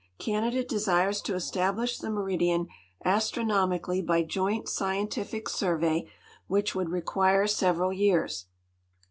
Canada desires to e.stablish the meridian astronomically by joint scientific survey, which would require several years.